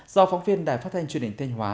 do phóng viên đài phát thanh truyền hình thanh hóa